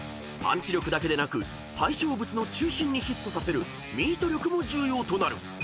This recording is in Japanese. ［パンチ力だけでなく対象物の中心にヒットさせるミート力も重要となる］